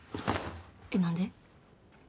えっ何で？